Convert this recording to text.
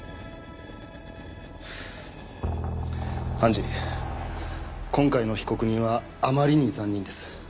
判事今回の被告人はあまりに残忍です。